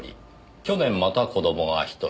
去年また子供が１人。